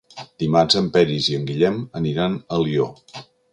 Dimarts en Peris i en Guillem aniran a Alió.